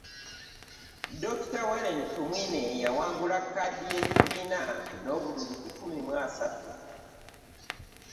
Dokita Warren Tumwiine yawangula kkaadi y'ekibiina n'obululu kikumi mu asatu